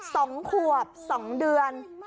สองขวบสองเดือน